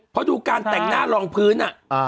เพราะดูการแต่งหน้ารองพื้น